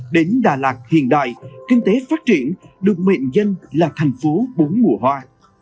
đến đà lạt hiện đại kinh tế phát triển được mệnh danh là thành phố bốn mùa hoa